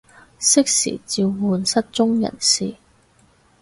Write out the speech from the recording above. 適時召喚失蹤人士